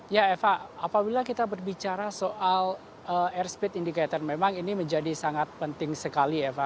ya eva apabila kita berbicara soal airspeed indicator memang ini menjadi sangat penting sekali eva